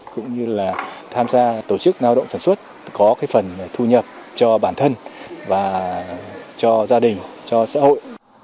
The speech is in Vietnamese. cũng như là tham gia tổ chức lao động sản xuất có cái phần thu nhập cho bản thân và cho gia đình cho xã hội